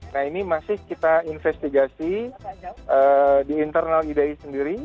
nah ini masih kita investigasi di internal idai sendiri